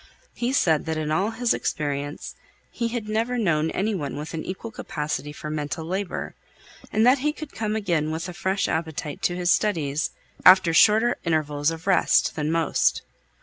He said that in all his experience he had never known any one with an equal capacity for mental labour; and that he could come again with a fresh appetite to his studies after shorter intervals of rest than most.